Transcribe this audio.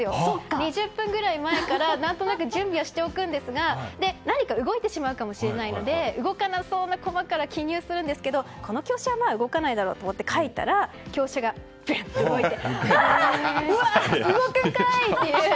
２０分ぐらい前から何となく準備はしておくんですが何か動いてしまうかもしれないので動かなそうな駒から記入するんですけどこの香車は動かないだろうと思って香車を書いたら香車が動いて。